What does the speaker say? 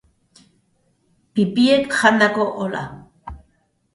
Pipiek jandako ohola.